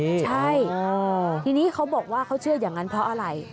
ใช่ทีนี้เขาบอกว่าเขาเชื่ออย่างนั้นเพราะอะไร